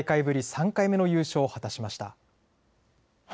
３回目の優勝を果たしました。